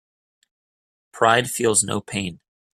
Pride feels no pain.